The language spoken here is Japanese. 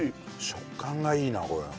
食感がいいなこれ。